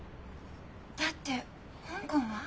だって香港は？